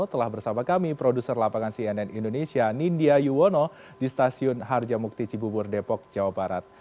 telah bersama kami produser lapangan cnn indonesia nindya yuwono di stasiun harjamukti cibubur depok jawa barat